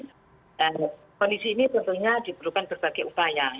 dan kondisi ini tentunya diperlukan berbagai upaya